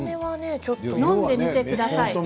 飲んでみてください。